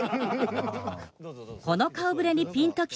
この顔ぶれにピンときた方。